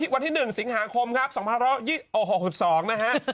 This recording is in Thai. วันที่๑สิงหาคมครับ๒๖๒นะฮะ